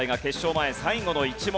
前最後の１問。